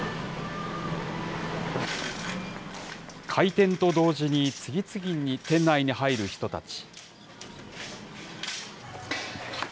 開店と同時に次々に店内に入る人たち。